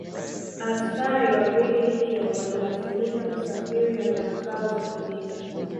Askari wa brigedi hiyo walilazimika kusafiri na zana zao za kivita